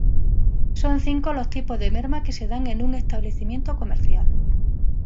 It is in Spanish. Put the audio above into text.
Son cinco los tipos de merma que se dan en un establecimiento comercial.